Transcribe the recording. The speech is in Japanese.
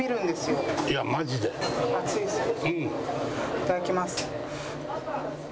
いただきます。